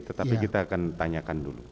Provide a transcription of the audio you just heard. tetapi kita akan tanyakan dulu